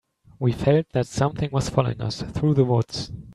We felt that something was following us through the woods.